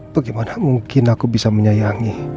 bagaimana mungkin aku bisa menyayangi